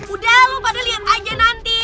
udah lo pada liat aja nanti